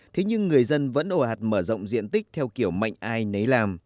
thế nhưng người dân vẫn ổ hạt mở rộng diện tích theo kiểu mạnh ai nấy làm